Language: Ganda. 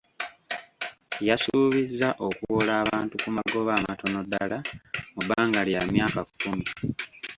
Yaasuubizza okuwola abantu ku magoba amatono ddala mu bbanga lya myaka kkumi.